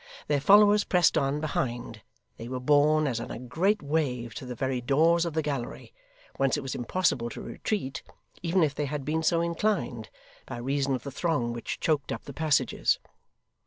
Their followers pressing on behind, they were borne as on a great wave to the very doors of the gallery, whence it was impossible to retreat, even if they had been so inclined, by reason of the throng which choked up the passages.